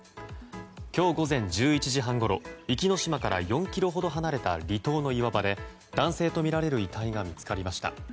今日午前１１時半ごろ壱岐島から４ｋｍほど離れた離島の岩場で男性とみられる遺体が見つかりました。